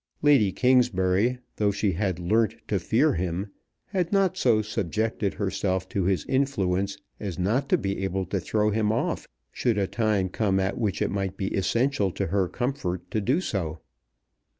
Lady Kingsbury, though she had learnt to fear him, had not so subjected herself to his influence as not to be able to throw him off should a time come at which it might be essential to her comfort to do so.